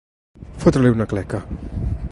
Fotre-li una cleca.